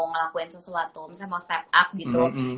ngelakuin sesuatu misalnya mau step up gitu